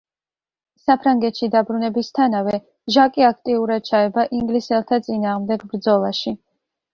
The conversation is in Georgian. საფრანგეთში დაბრუნებისთანავე, ჟაკი აქტიურად ჩაება ინგლისელთა წინააღმდეგ ბრძოლაში.